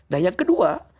nah yang kedua